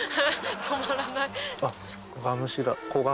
止まらない。